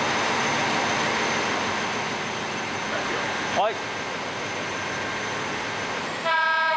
はい。